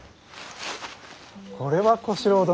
これは小四郎殿。